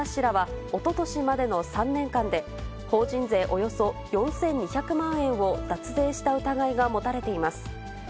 関係者によりますと、竹田氏らは、おととしまでの３年間で、法人税およそ４２００万円を脱税した疑いが持たれています。